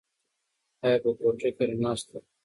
ایا په کوټه کې رڼا شته؟